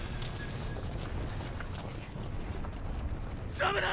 ダメだ！！